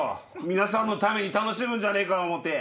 皆さんのために楽しむんじゃねえか思って。